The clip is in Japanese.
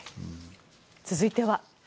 続いては。